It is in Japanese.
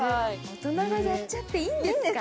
大人がやっちゃっていいんですか？